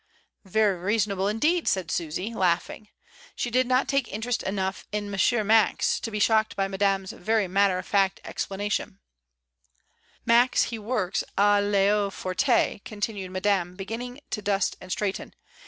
"Very reasonable, indeed," said Susy, laughing. She did not take interest enough in M. Max to be shocked by Madame'5 very matter of fact explana tions. "Max he works d. Veau fortey^ continued Ma dame, beginning to dust and straighten.'